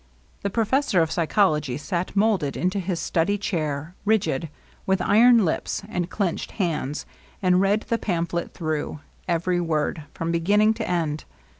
The professor of psychology sat moulded into his study chair, rigid, with iron lips and clenched hands, and read the pamphlet through, every word, from beginning to end.